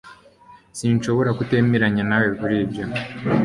Sinshobora kutemeranya nawe kuri ibyo